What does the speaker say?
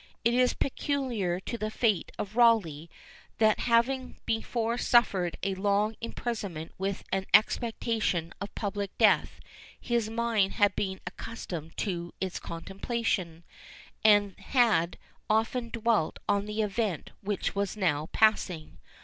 It is peculiar in the fate of Rawleigh, that having before suffered a long imprisonment with an expectation of a public death, his mind had been accustomed to its contemplation, and had often dwelt on the event which was now passing.